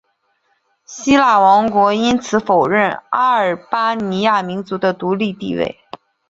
希腊王国因此否认阿尔巴尼亚民族的独立地位。